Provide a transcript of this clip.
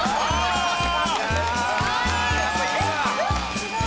すごい。